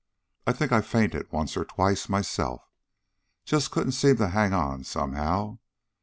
I think I fainted once or twice, myself. Just couldn't seem to hang on somehow.